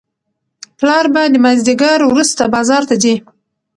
پلار به د مازیګر وروسته بازار ته ځي.